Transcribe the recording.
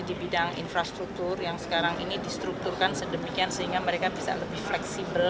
di bidang infrastruktur yang sekarang ini distrukturkan sedemikian sehingga mereka bisa lebih fleksibel